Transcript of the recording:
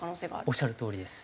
おっしゃるとおりです。